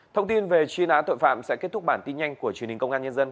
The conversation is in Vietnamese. thông tin về truy nã tội phạm sẽ kết thúc bản tin nhanh của truyền hình công an nhân dân